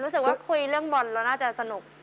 รู้สึกว่าคุยเรื่องบอลเราน่าจะสนุก